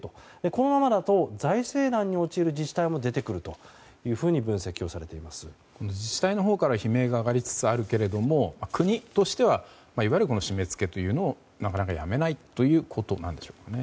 このままだと財政難に陥る自治体も出てくると自治体のほうから悲鳴が上がりつつあるけれども国としてはいわゆる締め付けというのをなかなかやめないということなんですかね。